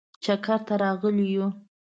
چکر ته راغلي یو.